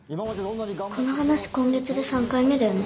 この話今月で３回目だよね。